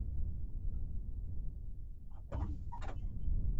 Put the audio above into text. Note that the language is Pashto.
موږ چې ډېر مخکې نه یو، له استوایي وښو خوړونکو څخه وو.